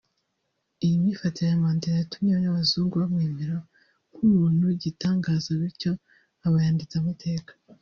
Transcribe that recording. Iyi myifatire ya Mandela yatumye n’abazungu bamwemera nk’umuntu w’igitangaza bityo aba yanditse amateka